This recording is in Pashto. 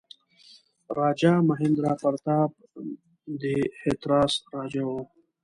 راجا مهیندراپراتاپ د هتراس راجا وو.